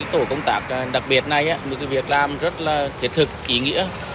tổ công tác đặc biệt này là một việc làm rất là thiệt thực kỷ nghĩa